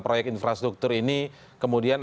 proyek infrastruktur ini kemudian